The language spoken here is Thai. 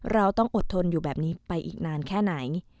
เราต้องอดทนอยู่แบบนี้ไปอีกนานแค่ไหน